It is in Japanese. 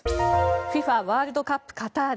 ＦＩＦＡワールドカップカタール。